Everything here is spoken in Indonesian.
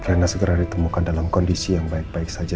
karena segera ditemukan dalam kondisi yang baik baik saja